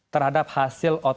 terhadap hasil otoritas